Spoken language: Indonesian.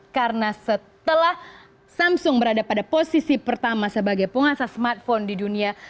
karena setelah samsung berada pada posisi pertama sebagai pengasas smartphone di dunia